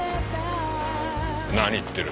何言ってる。